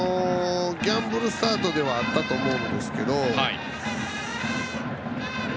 ギャンブルスタートではあったと思うんですけど。